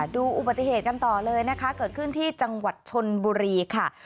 ดูอุบัติเหตุกันต่อเลยนะคะเกิดขึ้นที่จังหวัดชนบุรีค่ะ